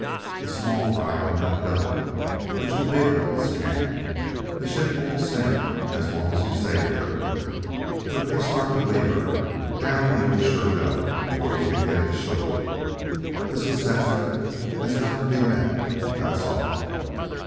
The small fry can let go, but you big ones can't. This ship won't sink as long as you stay with her. But if you start to leave her, down you'll sure go before you can get to shore. This assessment has got to be met that's all."